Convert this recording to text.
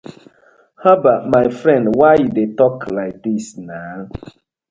Habbah my friend why yu dey tok like dis na.